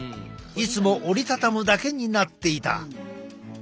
いつも折りたたむだけになっていた。